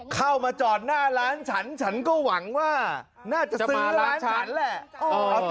เข้ามาจอดหน้าร้านฉันฉันก็หวังว่าน่าจะซื้อร้านฉันแหละ